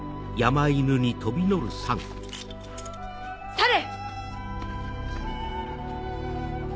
去れ！